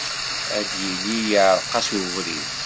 Ad yili iɛreq-as ubrid.